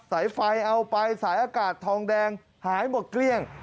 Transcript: ใส่ไฟเอาไปใส่อากาศทองแดงหายหมดเกรียง